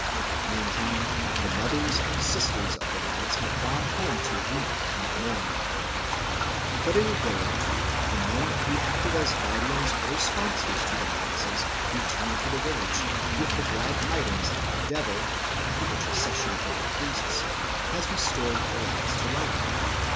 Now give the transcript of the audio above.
Meantime the mothers and sisters of the lads have gone home to weep and mourn. But in a day or two the men who acted as guardians or sponsors to the novices return to the village with the glad tidings that the devil, at the intercession of the priests, has restored the lads to life.